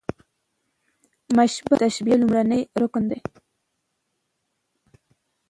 مشبه د تشبېه لومړی رکن دﺉ.